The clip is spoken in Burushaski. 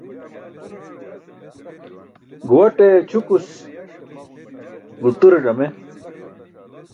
Guuwaṭe ćʰukus, gulture ẓame